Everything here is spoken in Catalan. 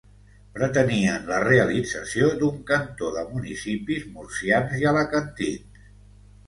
Pretenien la realització d'un cantó de municipis murcians i alacantins.